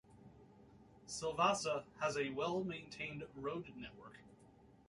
Silvassa has a well-maintained road network.